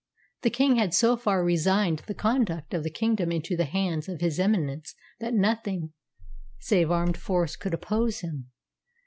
The king had so far resigned the conduct of the kingdom into the hands of his Eminence that nothing save armed force could oppose him.